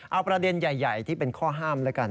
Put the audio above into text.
เอาประเด็นใหญ่ที่เป็นข้อห้ามแล้วกัน